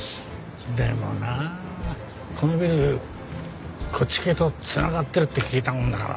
でもなあこのビルこっち系と繋がってるって聞いたもんだからさ。